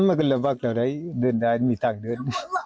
ไม่เป็นลำบากแต่เดินได้มีทางเดิน